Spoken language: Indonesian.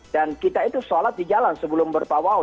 dan kita itu sholat di jalan sebelum berpawawi